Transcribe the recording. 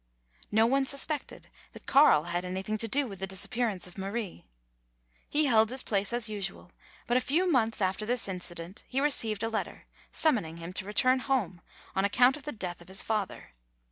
No one suspected that Carl had anything to do with the disappearance of Marie. He held his place as usual, but a few months after this inci dent he received a letter, summoning him to return home on account of the death of his father.